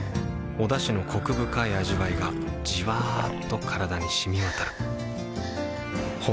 おだしのコク深い味わいがじわっと体に染み渡るはぁ。